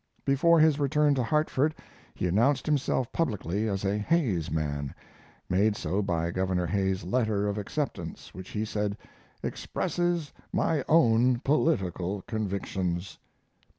Before his return to Hartford he announced himself publicly as a Hayes man, made so by Governor Hayes's letter of acceptance, which, he said, "expresses my own political convictions."